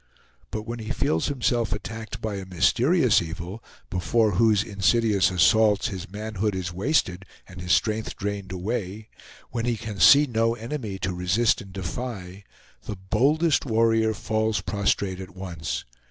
But when he feels himself attacked by a mysterious evil, before whose insidious assaults his manhood is wasted, and his strength drained away, when he can see no enemy to resist and defy, the boldest warrior falls prostrate at once.